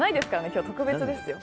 今日特別ですよ。